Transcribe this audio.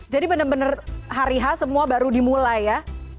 jadi bener bener hariha semua baru dimulai ya